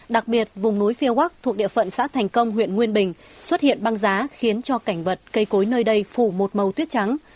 đặc biệt vùng núi phía wag thuộc địa phận xã thành công huyện nguyên bình xuất hiện băng giá khiến cho cảnh vật cây cối nơi đây phủ một màu tuyết trắng